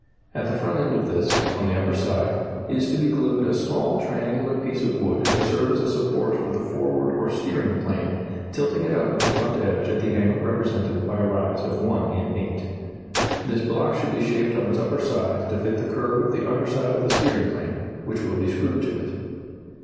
At the front end of this on the upper side is to be glued a small triangular piece of wood to serve as a support for the forward or steering plane, tilting it up at the front edge at the angle represented by a rise of 1 in 8. This block should be shaped on its upper side to fit the curve of the under side of the steering plane, which will be screwed to it.